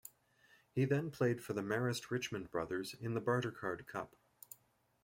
He then played for the Marist Richmond Brothers in the Bartercard Cup.